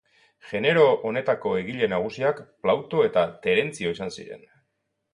Genero honetako egile nagusiak Plauto eta Terentzio izan ziren.